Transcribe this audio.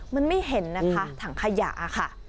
มันไม่เห็นนะคะถังขยะค่ะ